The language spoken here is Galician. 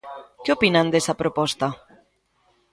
¿Que opinan desa proposta?